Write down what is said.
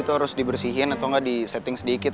itu harus dibersihin atau gak di setting sedikit